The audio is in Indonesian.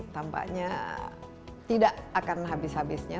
tampaknya tidak akan habis habisnya